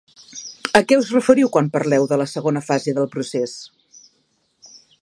A què us referiu quan parleu de la segona fase del procés?